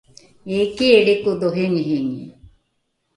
iiki lrikodho ringiringi